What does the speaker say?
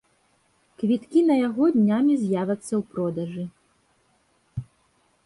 Квіткі на яго днямі з'явяцца ў продажы.